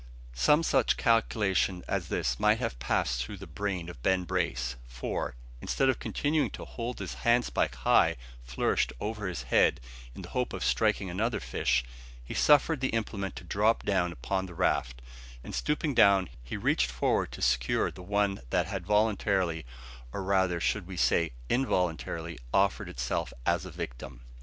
Some such calculation as this might have passed through the brain of Ben Brace; for, instead of continuing to hold his handspike high flourished over his head, in the hope of striking another fish, he suffered the implement to drop down upon the raft; and stooping down, he reached forward to secure the one that had voluntarily, or, rather, should we say, involuntarily, offered itself as a victim.